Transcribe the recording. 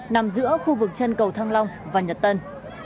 nằm giữa khu vực chân cầu thăng long và nhật tân